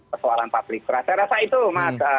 persoalan publik saya rasa itu mas